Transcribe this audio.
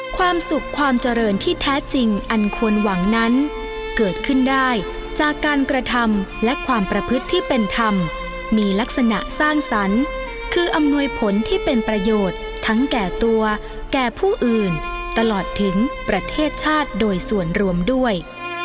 ความสุขความเจริญที่แท้จริงอันควรหวังนั้นเกิดขึ้นได้จากการกระทำและความประพฤติที่เป็นธรรมมีลักษณะสร้างสรรค์คืออำนวยผลที่เป็นประโยชน์ทั้งแก่ตัวแก่ผู้อื่นตลอดถึงประเทศชาติโดยส่วนรวมด้วย